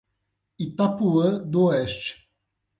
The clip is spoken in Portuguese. Itapuã do Oeste